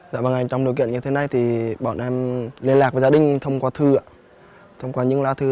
dạ vâng anh trong điều kiện như thế này thì bọn em liên lạc với gia đình thông qua thư ạ thông qua những lá thư